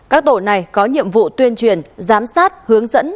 các tổ này có nhiệm vụ tuyên truyền giám sát hướng dẫn